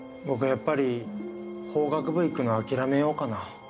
やっぱり法学部行くの諦めようかな。